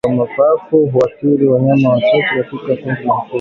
Mara nyingi ugonjwa wa mapafu huathiri wanyama wachache katika kundi la mifugo